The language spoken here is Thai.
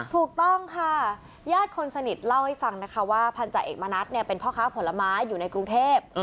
ถูกต้องค่ะญาติคนสนิทเล่าให้ฟังนะคะว่าพันธาเอกมณัฐเป็นพ่อค้าผลไม้อยู่ในกรุงเทพ